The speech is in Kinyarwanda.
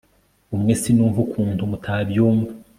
umwe sinumva ukuntu mutabyumva